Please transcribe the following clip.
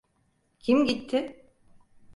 Kim gitti?